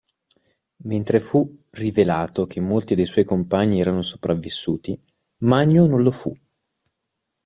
Mentre fu rivelato che molti dei suoi compagni erano sopravvissuti, Magno non lo fu.